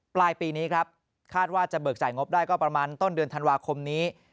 ปลายปีนี้ครับคาดว่าจะเบิกจ่ายงบได้ก็ประมาณต้นเดือนธันวาคมนี้